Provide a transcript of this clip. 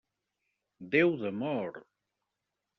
Déu d'amor!